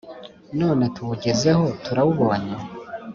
none tuwugezeho, turawubonye!»